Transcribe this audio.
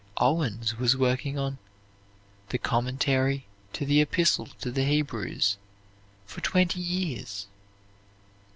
Owens was working on the "Commentary to the Epistle to the Hebrews" for twenty years.